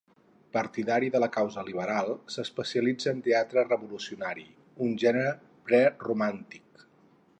Partidari de la causa liberal, s'especialitza en teatre revolucionari, un gènere preromàntic.